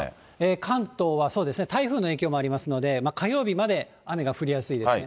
関東はそうですね、台風の影響もありますので、火曜日まで雨が降りやすいですね。